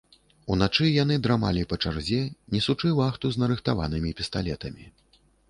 Уначы яны драмалі па чарзе, несучы вахту з нарыхтаванымі пісталетамі.